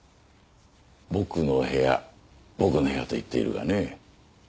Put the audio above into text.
僕の部屋僕の部屋と言っているがね